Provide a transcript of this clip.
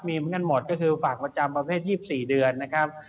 มีเหมือนกันหมดก็คือฝากประจำประเภท๒๔เดือนนะครับ